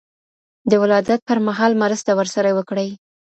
د ولادت پر مهال مرسته ورسره وکړئ.